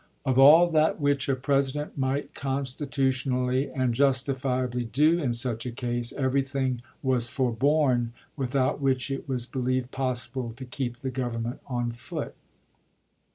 Of all that which a President might con stitutionally and justifiably do in such a case, everything was forborne without which it was believed possible to keep the Government on foot."